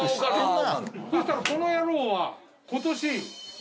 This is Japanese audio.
そしたらこの野郎は今年決勝だよ。